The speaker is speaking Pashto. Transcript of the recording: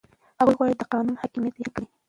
هغه غواړي د قانون حاکمیت یقیني کړي.